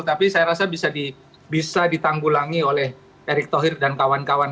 tapi saya rasa bisa ditanggulangi oleh erick thohir dan kawan kawan